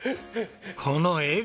この笑顔！